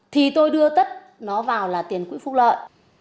thì tôi đưa tất nó vào là tiền quỹ phúc lợi